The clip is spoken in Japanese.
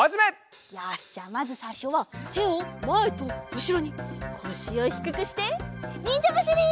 よしじゃあまずさいしょはてをまえとうしろにこしをひくくしてにんじゃばしり！